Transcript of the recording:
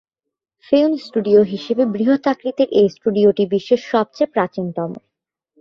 Film studio হিসেবে বৃহৎ আকৃতির এই স্টুডিওটি বিশ্বের সবচেয়ে প্রাচীনতম।